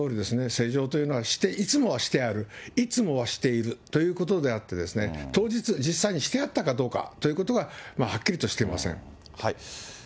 施錠というのはいつもはしてある、いつもはしているということであって、当日、実際にしてあったかどうかということははっきりとしていません。